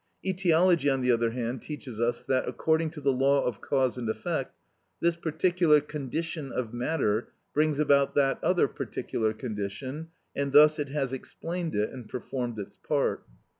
Etiology, on the other hand, teaches us that, according to the law of cause and effect, this particular condition of matter brings about that other particular condition, and thus it has explained it and performed its part.